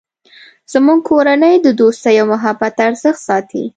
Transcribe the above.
زموږ کورنۍ د دوستۍ او محبت ارزښت ساتی